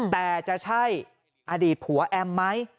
แต่จะใช่อดีตผัวแอมไหม